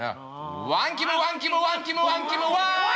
「ワンキムワンキムワンキムワンキムワン！」